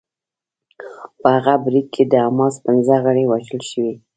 په هغه برید کې د حماس پنځه غړي وژل شوي وو